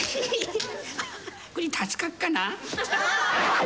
これで助かっかな？